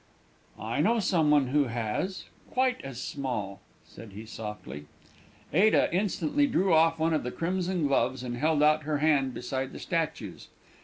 "I know some one who has quite as small," said he softly. Ada instantly drew off one of the crimson gloves and held out her hand beside the statue's.